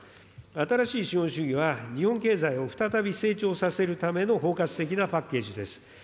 新しい資本主義は、日本経済を再び成長させるための包括的なパッケージです。